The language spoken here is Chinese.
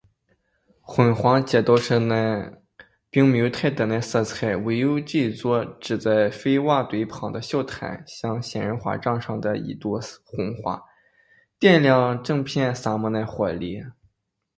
昏黄色系的街道上，并没有太多的色彩，唯有这座支在废瓦堆旁的小摊，像仙人掌上的一朵红花，点亮了整片沙漠的活力。